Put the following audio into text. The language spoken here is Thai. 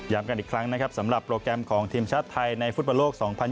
กันอีกครั้งนะครับสำหรับโปรแกรมของทีมชาติไทยในฟุตบอลโลก๒๐๑๖